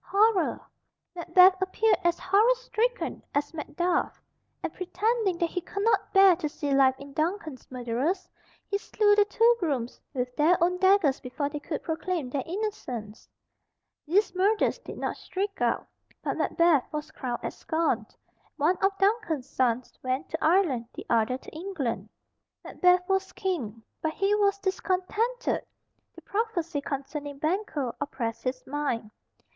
horror!" Macbeth appeared as horror stricken as Macduff, and pretending that he could not bear to see life in Duncan's murderers, he slew the two grooms with their own daggers before they could proclaim their innocence. These murders did not shriek out, and Macbeth was crowned at Scone. One of Duncan's sons went to Ireland, the other to England. Macbeth was King. But he was discontented. The prophecy concerning Banquo oppressed his mind.